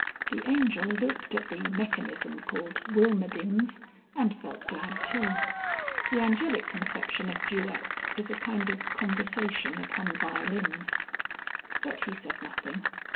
The Angel looked at the mechanism called Wilmerdings, and felt glad too. (The Angelic conception of duets is a kind of conversation upon violins.) But he said nothing.